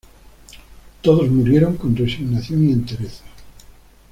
Todos murieron con resignación y entereza.